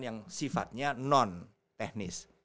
yang sifatnya non teknis